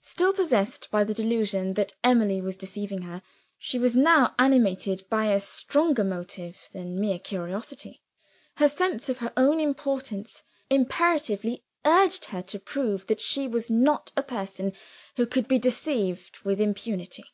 Still possessed by the delusion that Emily was deceiving her, she was now animated by a stronger motive than mere curiosity. Her sense of her own importance imperatively urged her to prove that she was not a person who could be deceived with impunity.